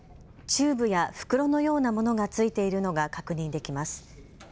チューブや袋のようなものがついているのが確認できます。